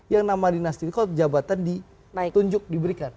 yang nama dinasti itu jabatan ditunjuk diberikan